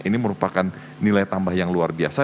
ini merupakan nilai tambah yang luar biasa